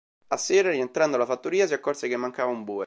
A sera, rientrando alla fattoria, si accorse che mancava un bue.